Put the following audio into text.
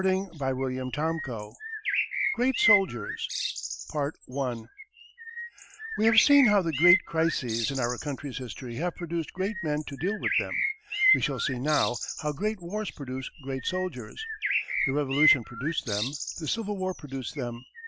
CHAPTER VII GREAT SOLDIERS We have seen how the great crises in our country's history have produced great men to deal with them. We shall see now how great wars produce great soldiers. The Revolution produced them; the Civil War produced them.